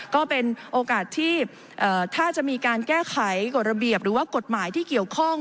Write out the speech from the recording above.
ก็เป็นโอกาสที่ถ้าจะมีการแก้ไขกฎระเบียบหรือว่ากฎหมายที่เกี่ยวข้อง